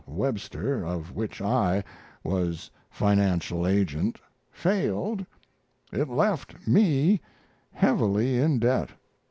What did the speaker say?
Webster, of which I was financial agent, failed, it left me heavily in debt.